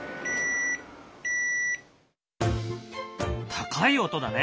高い音だね。